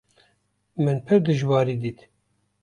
Min pir dijwarî dît.